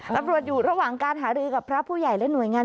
ตำรวจอยู่ระหว่างการหารือกับพระผู้ใหญ่และหน่วยงาน